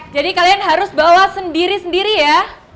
jadi kalian harus bawa sendiri sendiri ya